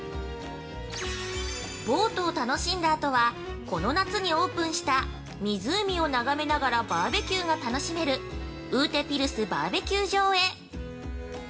◆ボートを楽しんだあとは、この夏にオープンした、湖を眺めながらバーベキューが楽しめるウーテピルスバーベキュー場へ。